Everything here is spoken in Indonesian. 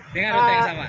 dengan rute yang sama